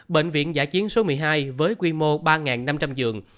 bệnh viện giả chiến số một mươi hai với quy mô ba năm trăm linh giường